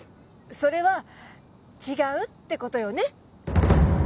それは違うってことよね？